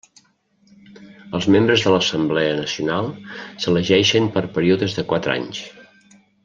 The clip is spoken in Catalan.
Els membres de l'Assemblea Nacional s'elegeixen per períodes de quatre anys.